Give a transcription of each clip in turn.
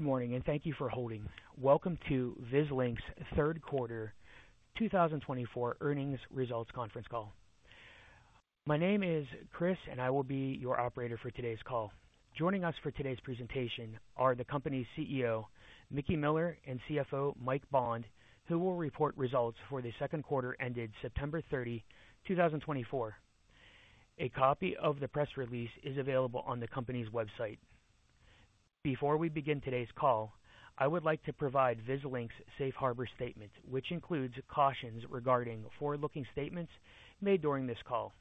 Good morning, and thank you for holding. Welcome to Vislink's Third Quarter 2024 Earnings Results Conference Call. My name is Chris, and I will be your operator for today's call. Joining us for today's presentation are the company's CEO, Mickey Miller, and CFO, Mike Bond, who will report results for the second quarter ended September 30, 2024. A copy of the press release is available on the company's website. Before we begin today's call, I would like to provide Vislink's safe harbor statement, which includes cautions regarding forward-looking statements made during this call.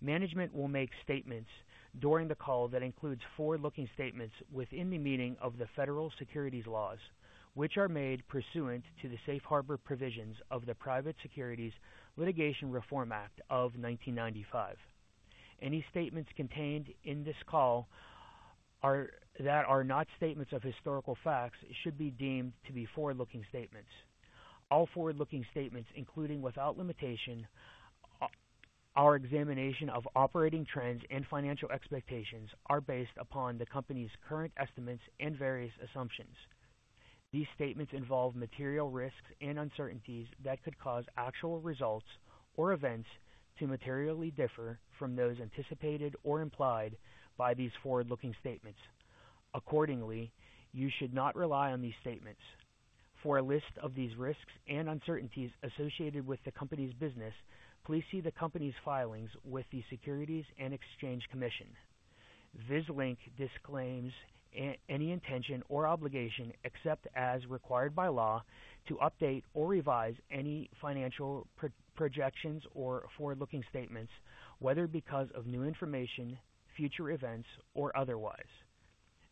Management will make statements during the call that include forward-looking statements within the meaning of the federal securities laws, which are made pursuant to the safe harbor provisions of the Private Securities Litigation Reform Act of 1995. Any statements contained in this call that are not statements of historical facts should be deemed to be forward-looking statements. All forward-looking statements, including without limitation, our examination of operating trends and financial expectations are based upon the company's current estimates and various assumptions. These statements involve material risks and uncertainties that could cause actual results or events to materially differ from those anticipated or implied by these forward-looking statements. Accordingly, you should not rely on these statements. For a list of these risks and uncertainties associated with the company's business, please see the company's filings with the Securities and Exchange Commission. Vislink disclaims any intention or obligation, except as required by law, to update or revise any financial projections or forward-looking statements, whether because of new information, future events, or otherwise.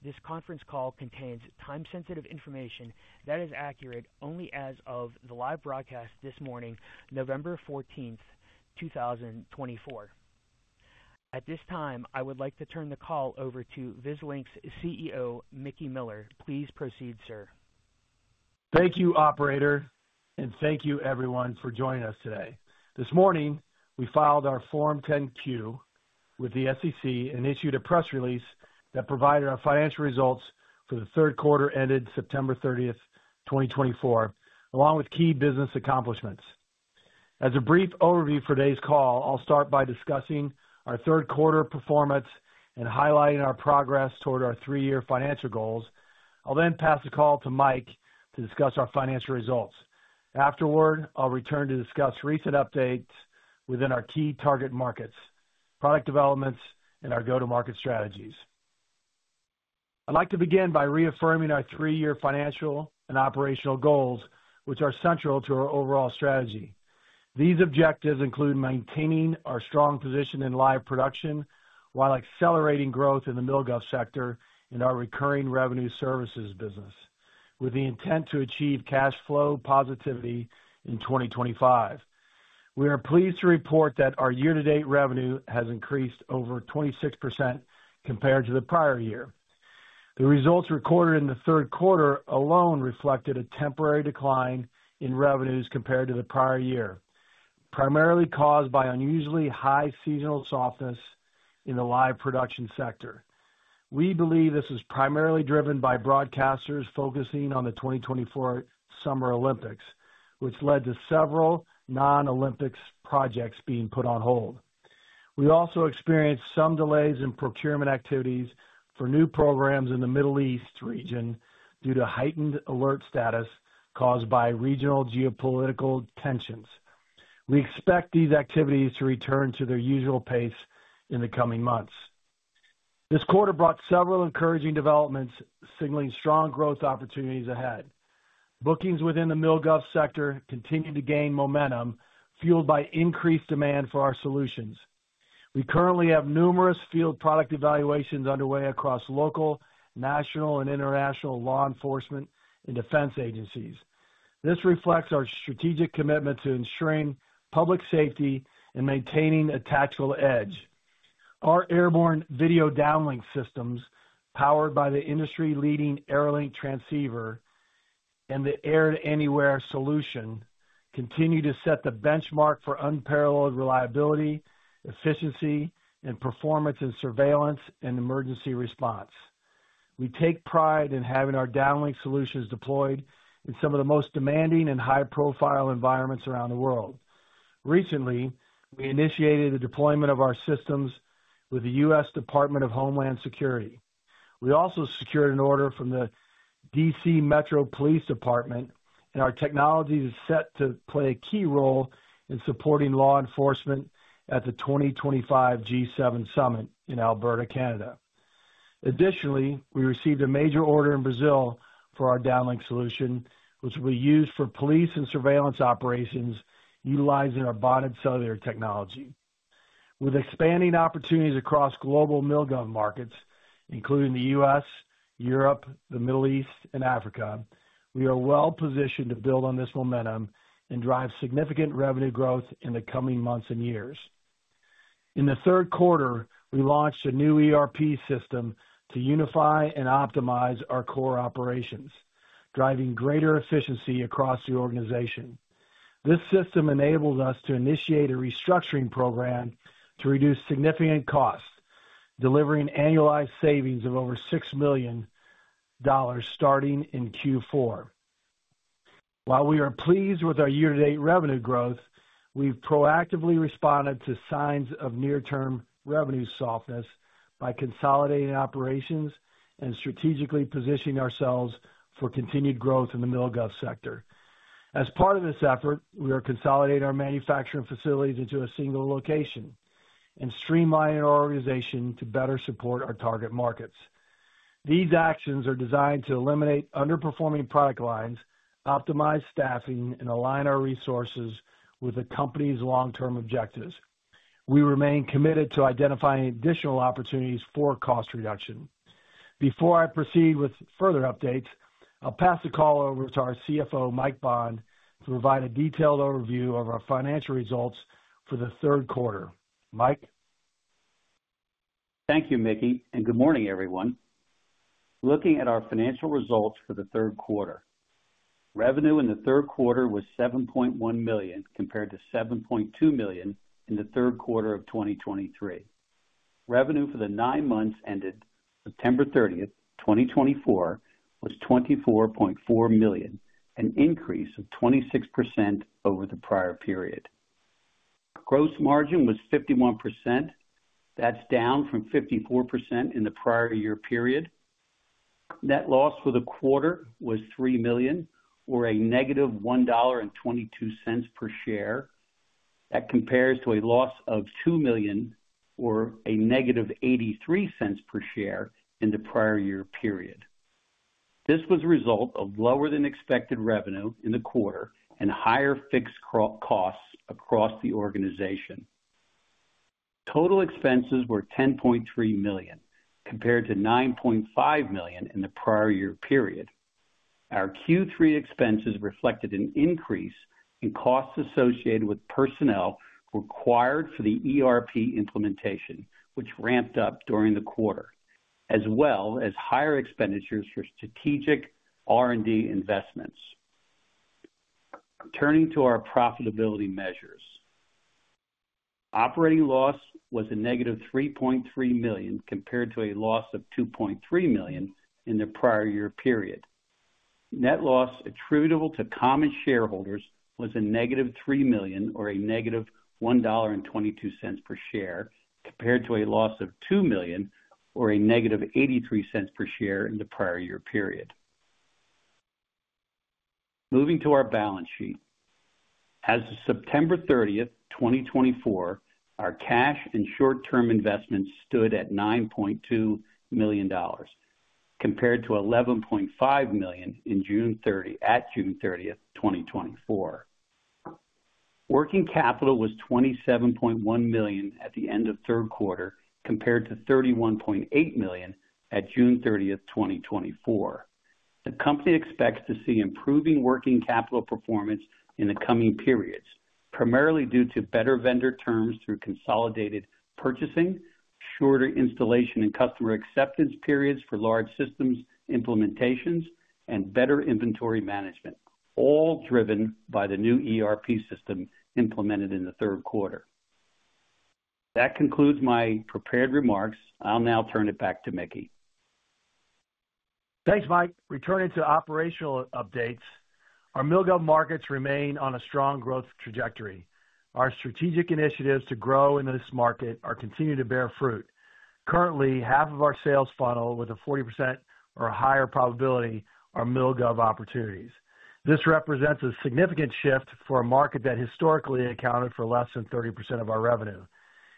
This conference call contains time-sensitive information that is accurate only as of the live broadcast this morning, November 14th, 2024. At this time, I would like to turn the call over to Vislink's CEO, Mickey Miller. Please proceed, sir. Thank you, operator, and thank you, everyone, for joining us today. This morning, we filed our Form 10-Q with the SEC and issued a press release that provided our financial results for the third quarter ended September 30th, 2024, along with key business accomplishments. As a brief overview for today's call, I'll start by discussing our third quarter performance and highlighting our progress toward our three-year financial goals. I'll then pass the call to Mike to discuss our financial results. Afterward, I'll return to discuss recent updates within our key target markets, product developments, and our go-to-market strategies. I'd like to begin by reaffirming our three-year financial and operational goals, which are central to our overall strategy. These objectives include maintaining our strong position in live production while accelerating growth in the MilGov sector and our recurring revenue services business, with the intent to achieve cash flow positivity in 2025. We are pleased to report that our year-to-date revenue has increased over 26% compared to the prior year. The results recorded in the third quarter alone reflected a temporary decline in revenues compared to the prior year, primarily caused by unusually high seasonal softness in the live production sector. We believe this was primarily driven by broadcasters focusing on the 2024 Summer Olympics, which led to several non-Olympics projects being put on hold. We also experienced some delays in procurement activities for new programs in the Middle East region due to heightened alert status caused by regional geopolitical tensions. We expect these activities to return to their usual pace in the coming months. This quarter brought several encouraging developments, signaling strong growth opportunities ahead. Bookings within the MilGov sector continue to gain momentum, fueled by increased demand for our solutions. We currently have numerous field product evaluations underway across local, national, and international law enforcement and defense agencies. This reflects our strategic commitment to ensuring public safety and maintaining a tactical edge. Our airborne video downlink systems, powered by the industry-leading AeroLink transceiver and the Air-to-Anywhere solution, continue to set the benchmark for unparalleled reliability, efficiency, and performance in surveillance and emergency response. We take pride in having our downlink solutions deployed in some of the most demanding and high-profile environments around the world. Recently, we initiated the deployment of our systems with the U.S. Department of Homeland Security. We also secured an order from the D.C. Metropolitan Police Department, and our technology is set to play a key role in supporting law enforcement at the 2025 G7 Summit in Alberta, Canada. Additionally, we received a major order in Brazil for our downlink solution, which will be used for police and surveillance operations utilizing our bonded cellular technology. With expanding opportunities across global MilGov markets, including the U.S., Europe, the Middle East, and Africa, we are well-positioned to build on this momentum and drive significant revenue growth in the coming months and years. In the third quarter, we launched a new ERP system to unify and optimize our core operations, driving greater efficiency across the organization. This system enabled us to initiate a restructuring program to reduce significant costs, delivering annualized savings of over $6 million starting in Q4. While we are pleased with our year-to-date revenue growth, we've proactively responded to signs of near-term revenue softness by consolidating operations and strategically positioning ourselves for continued growth in the MilGov sector. As part of this effort, we are consolidating our manufacturing facilities into a single location and streamlining our organization to better support our target markets. These actions are designed to eliminate underperforming product lines, optimize staffing, and align our resources with the company's long-term objectives. We remain committed to identifying additional opportunities for cost reduction. Before I proceed with further updates, I'll pass the call over to our CFO, Mike Bond, to provide a detailed overview of our financial results for the third quarter. Mike. Thank you, Mickey, and good morning, everyone. Looking at our financial results for the third quarter, revenue in the third quarter was $7.1 million compared to $7.2 million in the third quarter of 2023. Revenue for the nine months ended September 30th, 2024, was $24.4 million, an increase of 26% over the prior period. Gross margin was 51%. That's down from 54% in the prior year period. Net loss for the quarter was $3 million, or a negative $1.22 per share. That compares to a loss of $2 million, or a negative $0.83 per share in the prior year period. This was a result of lower-than-expected revenue in the quarter and higher fixed costs across the organization. Total expenses were $10.3 million compared to $9.5 million in the prior year period. Our Q3 expenses reflected an increase in costs associated with personnel required for the ERP implementation, which ramped up during the quarter, as well as higher expenditures for strategic R&D investments. Turning to our profitability measures, operating loss was a negative $3.3 million compared to a loss of $2.3 million in the prior year period. Net loss attributable to common shareholders was a negative $3 million, or a negative $1.22 per share, compared to a loss of $2 million, or a negative $0.83 per share in the prior year period. Moving to our balance sheet, as of September 30th, 2024, our cash and short-term investments stood at $9.2 million compared to $11.5 million at June 30th, 2024. Working capital was $27.1 million at the end of third quarter compared to $31.8 million at June 30th, 2024. The company expects to see improving working capital performance in the coming periods, primarily due to better vendor terms through consolidated purchasing, shorter installation and customer acceptance periods for large systems implementations, and better inventory management, all driven by the new ERP system implemented in the third quarter. That concludes my prepared remarks. I'll now turn it back to Mickey. Thanks, Mike. Returning to operational updates, our MilGov markets remain on a strong growth trajectory. Our strategic initiatives to grow in this market are continuing to bear fruit. Currently, half of our sales funnel, with a 40% or higher probability, are MilGov opportunities. This represents a significant shift for a market that historically accounted for less than 30% of our revenue.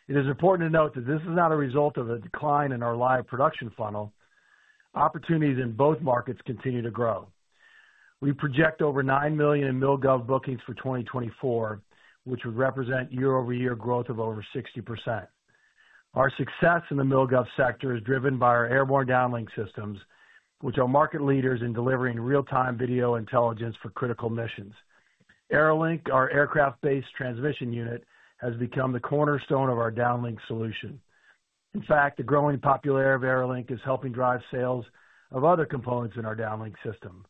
It is important to note that this is not a result of a decline in our live production funnel. Opportunities in both markets continue to grow. We project over $9 million in MilGov bookings for 2024, which would represent year-over-year growth of over 60%. Our success in the MilGov sector is driven by our airborne downlink systems, which are market leaders in delivering real-time video intelligence for critical missions. AeroLink, our aircraft-based transmission unit, has become the cornerstone of our downlink solution. In fact, the growing popularity of AeroLink is helping drive sales of other components in our downlink system.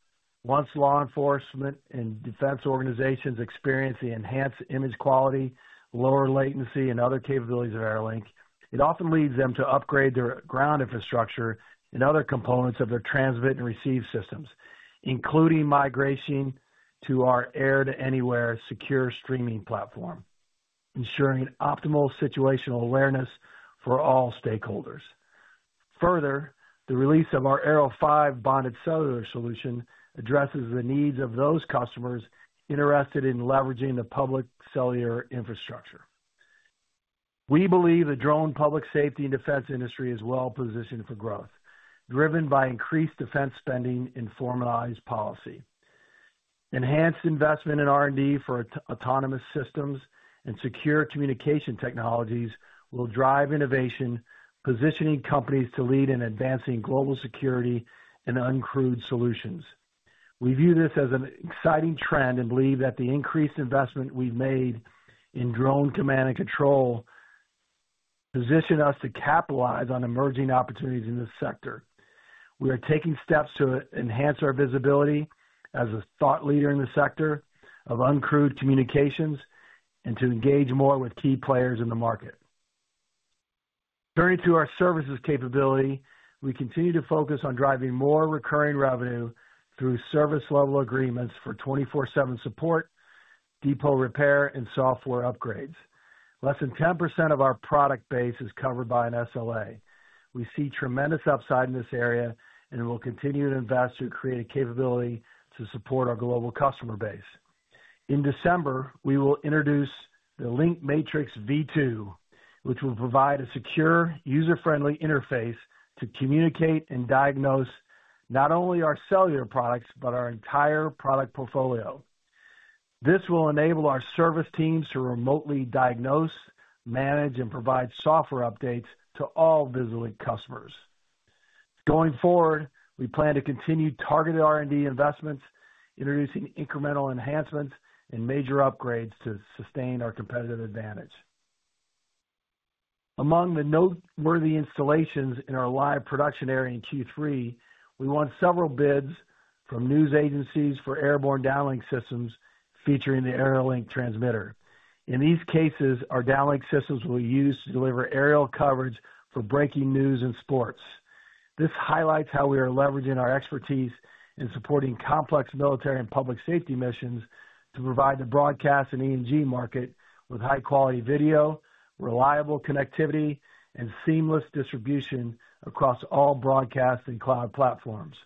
Once law enforcement and defense organizations experience the enhanced image quality, lower latency, and other capabilities of AeroLink, it often leads them to upgrade their ground infrastructure and other components of their transmit and receive systems, including migration to our Air-to-Anywhere secure streaming platform, ensuring optimal situational awareness for all stakeholders. Further, the release of our Aero 5 bonded cellular solution addresses the needs of those customers interested in leveraging the public cellular infrastructure. We believe the drone public safety and defense industry is well-positioned for growth, driven by increased defense spending and formalized policy. Enhanced investment in R&D for autonomous systems and secure communication technologies will drive innovation, positioning companies to lead in advancing global security and uncrewed solutions. We view this as an exciting trend and believe that the increased investment we've made in drone command and control positions us to capitalize on emerging opportunities in this sector. We are taking steps to enhance our visibility as a thought leader in the sector of uncrewed communications and to engage more with key players in the market. Turning to our services capability, we continue to focus on driving more recurring revenue through service-level agreements for 24/7 support, depot repair, and software upgrades. Less than 10% of our product base is covered by an SLA. We see tremendous upside in this area and will continue to invest to create a capability to support our global customer base. In December, we will introduce the LinkMatrix V2, which will provide a secure, user-friendly interface to communicate and diagnose not only our cellular products but our entire product portfolio. This will enable our service teams to remotely diagnose, manage, and provide software updates to all Vislink customers. Going forward, we plan to continue targeted R&D investments, introducing incremental enhancements and major upgrades to sustain our competitive advantage. Among the noteworthy installations in our live production area in Q3, we won several bids from news agencies for airborne downlink systems featuring the AeroLink transmitter. In these cases, our downlink systems will be used to deliver aerial coverage for breaking news and sports. This highlights how we are leveraging our expertise in supporting complex military and public safety missions to provide the broadcast and ENG market with high-quality video, reliable connectivity, and seamless distribution across all broadcast and cloud platforms.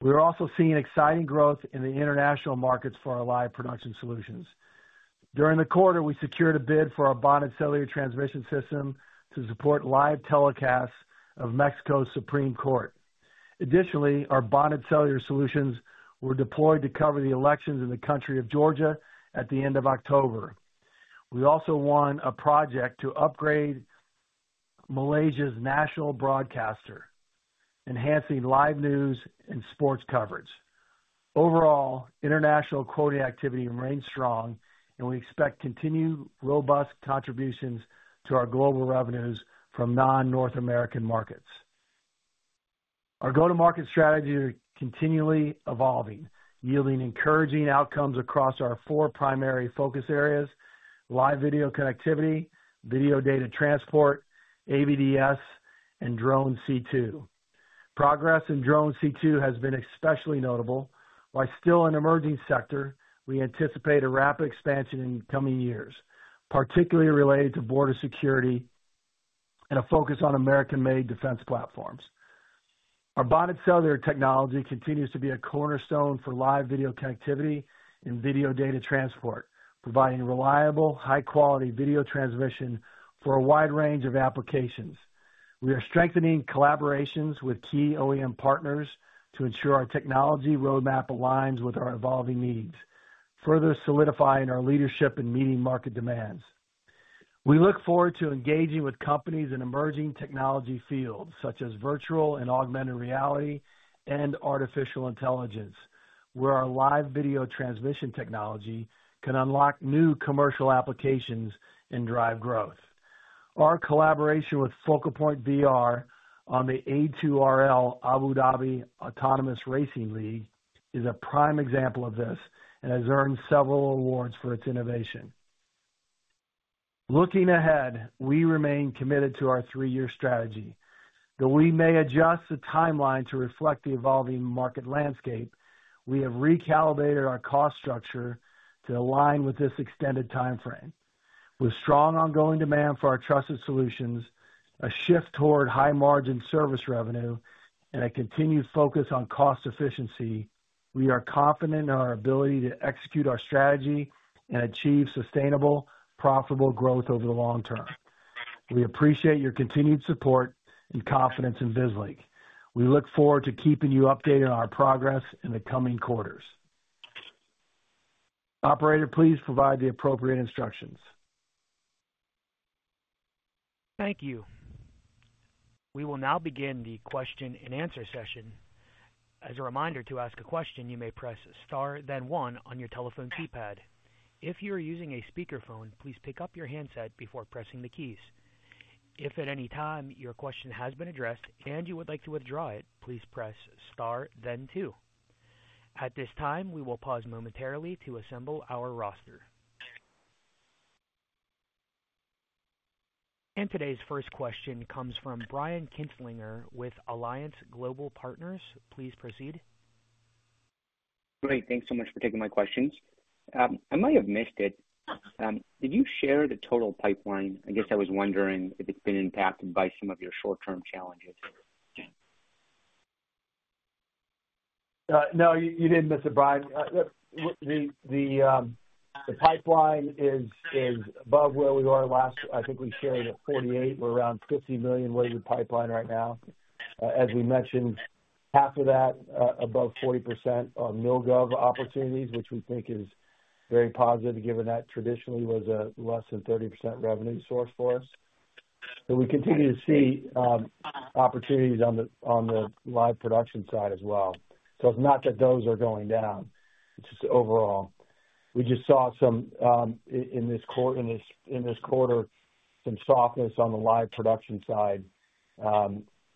We are also seeing exciting growth in the international markets for our live production solutions. During the quarter, we secured a bid for our bonded cellular transmission system to support live telecasts of Mexico's Supreme Court. Additionally, our bonded cellular solutions were deployed to cover the elections in the country of Georgia at the end of October. We also won a project to upgrade Malaysia's national broadcaster, enhancing live news and sports coverage. Overall, international quoting activity remains strong, and we expect continued robust contributions to our global revenues from non-North American markets. Our go-to-market strategy is continually evolving, yielding encouraging outcomes across our four primary focus areas: live video connectivity, video data transport, AVDS, and drone C2. Progress in drone C2 has been especially notable. While still an emerging sector, we anticipate a rapid expansion in coming years, particularly related to border security and a focus on American-made defense platforms. Our bonded cellular technology continues to be a cornerstone for live video connectivity and video data transport, providing reliable, high-quality video transmission for a wide range of applications. We are strengthening collaborations with key OEM partners to ensure our technology roadmap aligns with our evolving needs, further solidifying our leadership in meeting market demands. We look forward to engaging with companies in emerging technology fields such as virtual and augmented reality and artificial intelligence, where our live video transmission technology can unlock new commercial applications and drive growth. Our collaboration with Focal Point VR on the A2RL Abu Dhabi Autonomous Racing League is a prime example of this and has earned several awards for its innovation. Looking ahead, we remain committed to our three-year strategy. Though we may adjust the timeline to reflect the evolving market landscape, we have recalibrated our cost structure to align with this extended timeframe. With strong ongoing demand for our trusted solutions, a shift toward high-margin service revenue, and a continued focus on cost efficiency, we are confident in our ability to execute our strategy and achieve sustainable, profitable growth over the long term. We appreciate your continued support and confidence in Vislink. We look forward to keeping you updated on our progress in the coming quarters. Operator, please provide the appropriate instructions. Thank you. We will now begin the question-and-answer session. As a reminder to ask a question, you may press star, then 1 on your telephone keypad. If you are using a speakerphone, please pick up your handset before pressing the keys. If at any time your question has been addressed and you would like to withdraw it, please press star, then 2. At this time, we will pause momentarily to assemble our roster. And today's first question comes from Brian Kinstlinger with Alliance Global Partners. Please proceed. Great. Thanks so much for taking my questions. I might have missed it. Did you share the total pipeline? I guess I was wondering if it's been impacted by some of your short-term challenges. No, you didn't miss it, Brian. The pipeline is above where we were last. I think we shared at $48 million. We're around $50 million worth of pipeline right now. As we mentioned, half of that, above 40%, are MilGov opportunities, which we think is very positive given that traditionally was a less than 30% revenue source for us. But we continue to see opportunities on the live production side as well. So it's not that those are going down. It's just overall. We just saw some in this quarter, some softness on the live production side.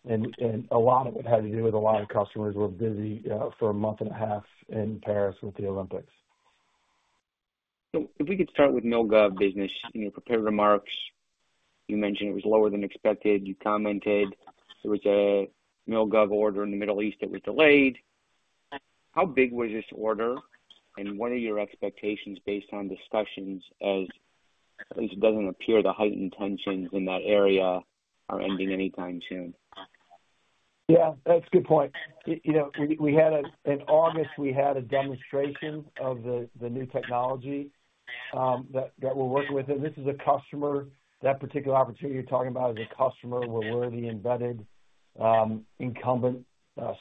And a lot of it had to do with a lot of customers were busy for a month and a half in Paris with the Olympics. So if we could start with MilGov business, in your prepared remarks, you mentioned it was lower than expected. You commented there was a MilGov order in the Middle East that was delayed. How big was this order, and what are your expectations based on discussions as it doesn't appear the heightened tensions in that area are ending anytime soon? Yeah, that's a good point. In August, we had a demonstration of the new technology that we're working with, and this is a customer. That particular opportunity you're talking about is a customer where we're the embedded incumbent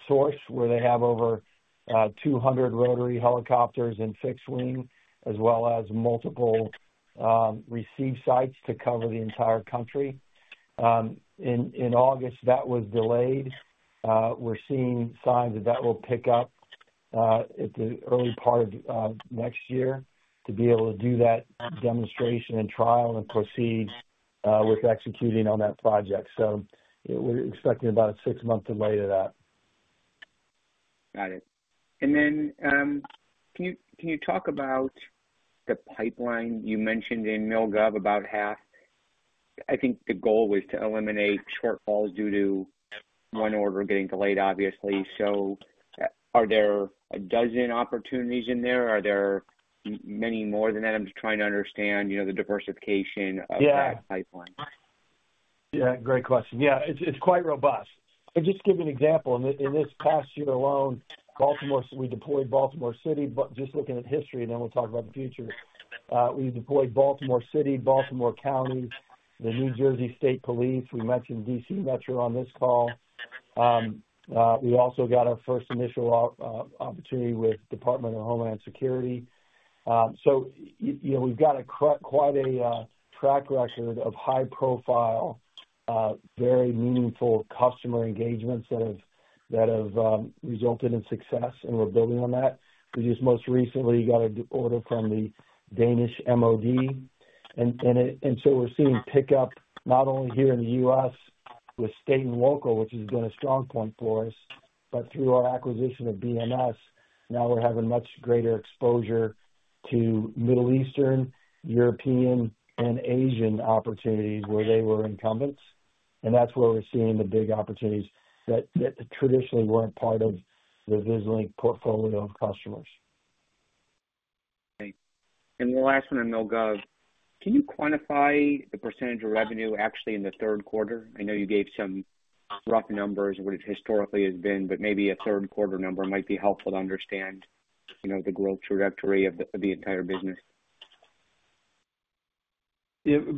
source where they have over 200 rotary helicopters and fixed-wing, as well as multiple receive sites to cover the entire country. In August, that was delayed. We're seeing signs that that will pick up at the early part of next year to be able to do that demonstration and trial and proceed with executing on that project, so we're expecting about a six-month delay to that. Got it. And then can you talk about the pipeline? You mentioned in MilGov about half. I think the goal was to eliminate shortfalls due to one order getting delayed, obviously. So are there a dozen opportunities in there? Are there many more than that? I'm just trying to understand the diversification of that pipeline. Yeah, great question. Yeah, it's quite robust. I'll just give you an example. In this past year alone, Baltimore, we deployed Baltimore City, but just looking at history, and then we'll talk about the future. We deployed Baltimore City, Baltimore County, the New Jersey State Police. We mentioned D.C. Metro on this call. We also got our first initial opportunity with the Department of Homeland Security. So we've got quite a track record of high-profile, very meaningful customer engagements that have resulted in success, and we're building on that. We just most recently got an order from the Danish MoD, and so we're seeing pickup not only here in the U.S. with state and local, which has been a strong point for us, but through our acquisition of BMS, now we're having much greater exposure to Middle Eastern, European, and Asian opportunities where they were incumbents. And that's where we're seeing the big opportunities that traditionally weren't part of the Vislink portfolio of customers. Great, and the last one on MilGov, can you quantify the percentage of revenue actually in the third quarter? I know you gave some rough numbers of what it historically has been, but maybe a third-quarter number might be helpful to understand the growth trajectory of the entire business.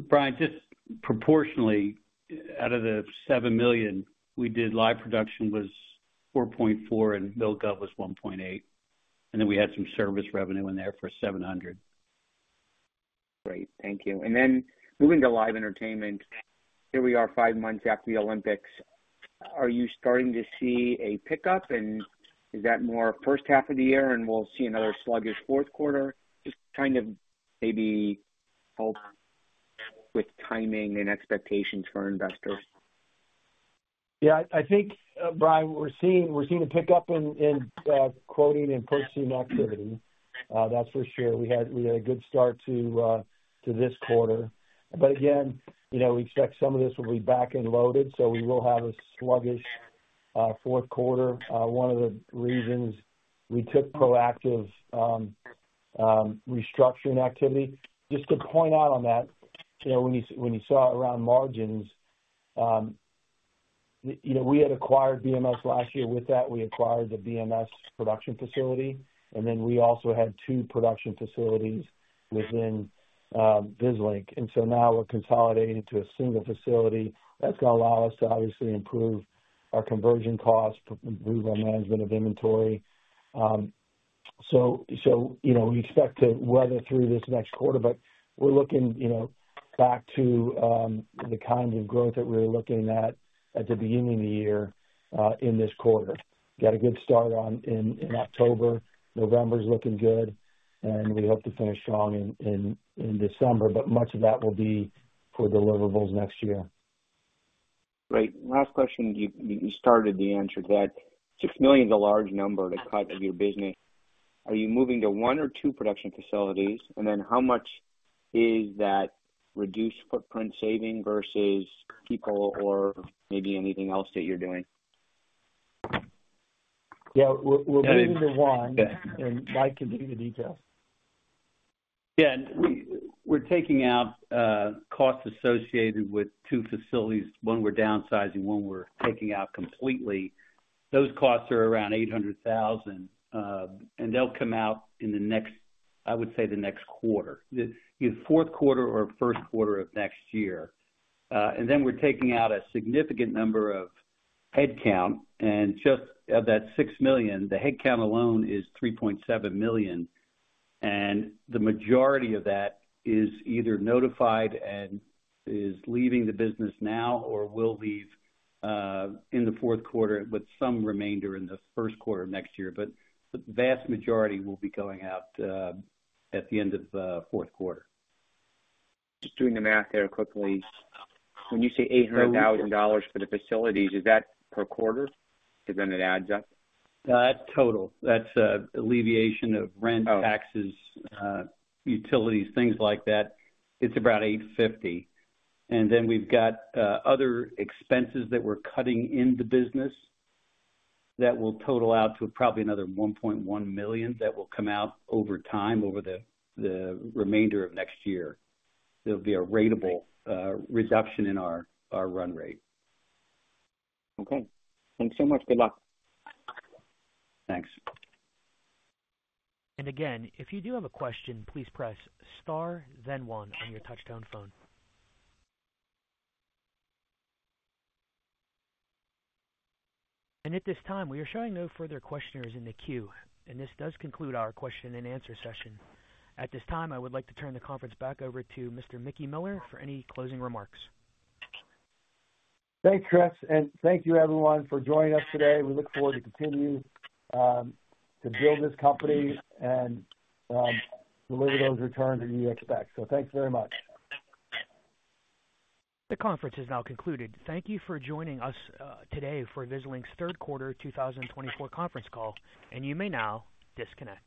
Brian, just proportionally, out of the $7 million, we did. Live production was $4.4, and MilGov was $1.8. And then we had some service revenue in there for $700. Great. Thank you. And then moving to live entertainment, here we are five months after the Olympics. Are you starting to see a pickup, and is that more first half of the year, and we'll see another sluggish fourth quarter? Just kind of maybe help with timing and expectations for investors. Yeah, I think, Brian, we're seeing a pickup in quoting and purchasing activity. That's for sure. We had a good start to this quarter. But again, we expect some of this will be back and loaded, so we will have a sluggish fourth quarter. One of the reasons we took proactive restructuring activity. Just to point out on that, when you saw around margins, we had acquired BMS last year. With that, we acquired the BMS production facility, and then we also had two production facilities within Vislink. And so now we're consolidating to a single facility. That's going to allow us to obviously improve our conversion costs, improve our management of inventory. So we expect to weather through this next quarter, but we're looking back to the kind of growth that we were looking at at the beginning of the year in this quarter. Got a good start in October. November's looking good, and we hope to finish strong in December, but much of that will be for deliverables next year. Great. Last question. You started the answer to that. $6 million is a large number to cut of your business. Are you moving to one or two production facilities, and then how much is that reduced footprint saving versus people or maybe anything else that you're doing? Yeah, we're moving to one, and Mike can give you the details. Yeah. We're taking out costs associated with two facilities. One we're downsizing, one we're taking out completely. Those costs are around $800,000, and they'll come out in the next, I would say, the next quarter, fourth quarter or first quarter of next year. And then we're taking out a significant number of headcount. And just of that $6 million, the headcount alone is $3.7 million. And the majority of that is either notified and is leaving the business now or will leave in the fourth quarter with some remainder in the first quarter of next year. But the vast majority will be going out at the end of the fourth quarter. Just doing the math there quickly. When you say $800,000 for the facilities, is that per quarter? Because then it adds up. That total. That's alleviation of rent, taxes, utilities, things like that. It's about $850,000. And then we've got other expenses that we're cutting in the business that will total out to probably another $1.1 million that will come out over time over the remainder of next year. There'll be a ratable reduction in our run rate. Okay. Thanks so much. Good luck. Thanks. And again, if you do have a question, please press star, then 1 on your touch-tone phone. And at this time, we are showing no further questions in the queue. And this does conclude our question-and-answer session. At this time, I would like to turn the conference back over to Mr. Mickey Miller for any closing remarks. Thanks, Chris. And thank you, everyone, for joining us today. We look forward to continuing to build this company and deliver those returns that you expect. So thanks very much. The conference is now concluded. Thank you for joining us today for Vislink's Third Quarter 2024 Conference Call. And you may now disconnect.